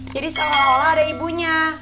jadi seolah olah ada ibunya